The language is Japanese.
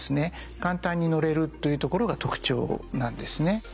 簡単に乗れるというところが特徴なんですね。